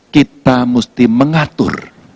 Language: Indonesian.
kita mesti mengatur